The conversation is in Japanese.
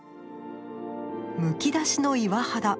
むき出しの岩肌。